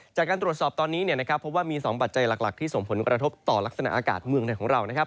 จากการตรวจสอบตอนนี้พบว่ามี๒ปัจจัยหลักที่ส่งผลกระทบต่อลักษณะอากาศเมืองไทยของเรานะครับ